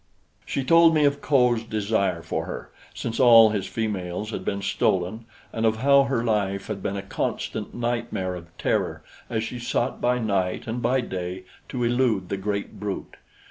She told me of Kho's desire for her, since all his females had been stolen and of how her life had been a constant nightmare of terror as she sought by night and by day to elude the great brute.